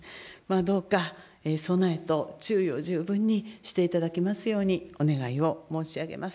どうか備えと注意を十分にしていただきますように、お願いを申し上げます。